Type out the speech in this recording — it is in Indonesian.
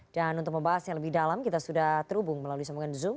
dan untuk membahas yang lebih dalam kita sudah terhubung melalui sambungan zoom